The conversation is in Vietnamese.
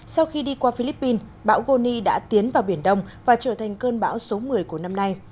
sau khi đi qua philippines bão goni đã tiến vào biển đông và trở thành cơn bão số một mươi của năm nay